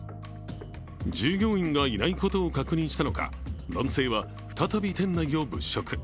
従業員がいないことを確認したのか男性は再び店内を物色。